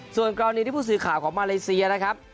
ส่วนกรณีที่ผู้สื่อข่าวของมาเลเซียนะครับ